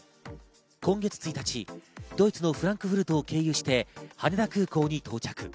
今月１日、ドイツのフランクフルトを経由して羽田空港に到着。